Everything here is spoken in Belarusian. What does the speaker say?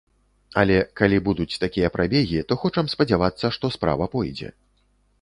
Але калі будуць такія прабегі, то хочам спадзявацца, што справа пойдзе.